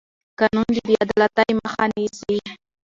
قانون د بې عدالتۍ مخه نیسي